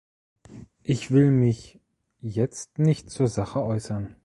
Ich will mich jetzt nicht zur Sache äußern.